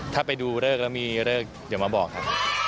ถ้าไปดูเลิกแล้วมีเลิกเดี๋ยวมาบอกครับ